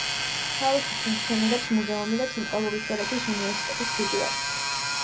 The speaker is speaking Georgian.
ქალაქში ფუნქციონირებს მუზეუმი და ცენტრალური შვედეთის უნივერსიტეტის ფილიალი.